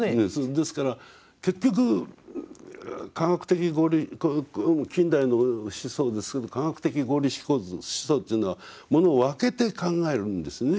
ですから結局科学的合理近代の思想ですけど科学的合理思想っていうのはものを分けて考えるんですね。